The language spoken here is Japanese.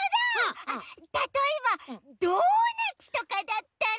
たとえばドーナツとかだったら。